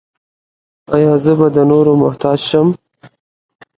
ایا زه به د نورو محتاج شم؟